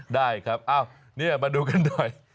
ได้ครับนี่มาดูกันหน่อย